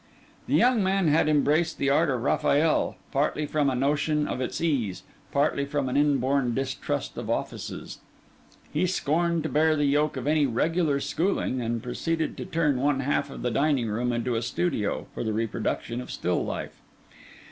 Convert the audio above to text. The young man had embraced the art of Raphael, partly from a notion of its ease, partly from an inborn distrust of offices. He scorned to bear the yoke of any regular schooling; and proceeded to turn one half of the dining room into a studio for the reproduction of still life.